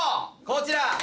こちら！